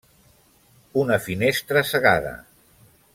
Una finestra cegada.